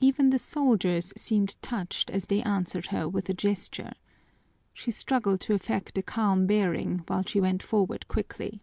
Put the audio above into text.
Even the soldiers seemed touched as they answered her with a gesture. She struggled to affect a calm bearing while she went forward quickly.